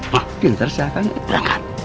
pak kita harus jalan kan